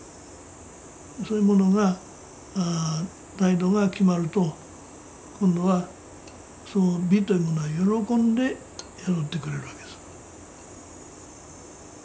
そういうものが態度が決まると今度はその美というものは喜んで宿ってくれるわけです。